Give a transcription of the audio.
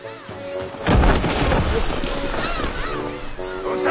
どうした！